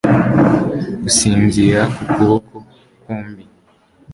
gusinzira ku kuboko kwombi